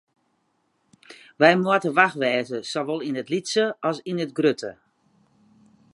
Wy moatte wach wêze, sawol yn it lytse as yn it grutte.